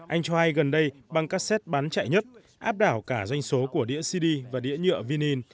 anh cho hay gần đây băng cassette bán chạy nhất áp đảo cả danh số của đĩa cd và đĩa nhựa vinil